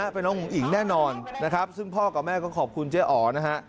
เป็นน้องอุ๋งอิ๋งแน่นอนนะครับซึ่งพ่อกับแม่ก็ขอบคุณเจ๊อ๋อนะฮะ